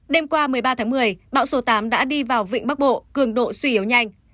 đêm qua một mươi ba tháng một mươi bão số tám đã đi vào vịnh bắc bộ cường độ suy yếu nhanh